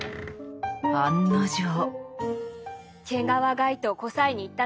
案の定。